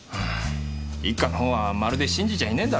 一課のほうはまるで信じちゃいねえんだろ？